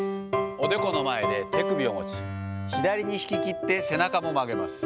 おでこの前で手首を持ち、左に引ききって背中も曲げます。